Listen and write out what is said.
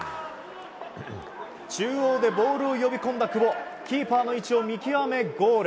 中央でボールを呼び込んだ久保キーパーの位置を見極めゴール。